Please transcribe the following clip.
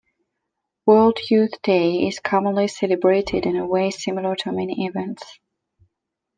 World Youth Day is commonly celebrated in a way similar to many events.